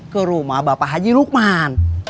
kerumah bapak haji nukman